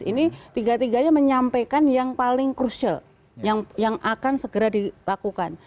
ini tiga tiganya menyampaikan yang paling crucial yang akan segera dilakukan